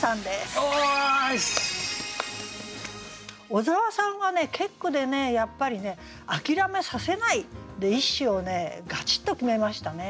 小沢さんが結句でやっぱりね「あきらめさせない」で一首をガチッと決めましたね。